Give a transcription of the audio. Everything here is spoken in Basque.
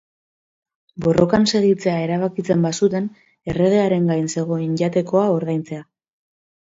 Borrokan segitzea erabakitzen bazuten, erregearen gain zegoen jatekoa ordaintzea.